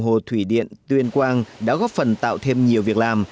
hồ thủy điện tuyên quang đã góp phần tạo thêm nhiều việc làm